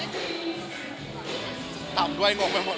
ใครถ่ายค้นสดด้วยอาจารย์